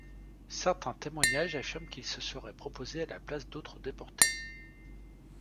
Certains témoignages affirment qu'il se serait proposé à la place d'autres déportés.